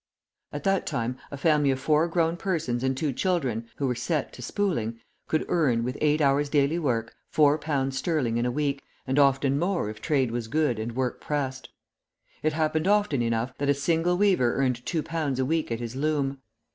At that time a family of four grown persons and two children (who were set to spooling) could earn, with eight hours' daily work, four pounds sterling in a week, and often more if trade was good and work pressed. It happened often enough that a single weaver earned two pounds a week at his loom.